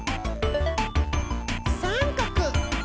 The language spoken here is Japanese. さんかく！